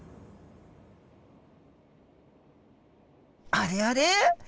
あれあれ？